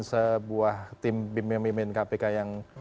sebuah tim bimbing bimbing kpk yang